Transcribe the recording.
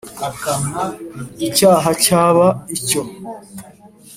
icyaha cyaba icyo.